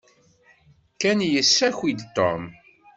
Ken yessaki-d Tom.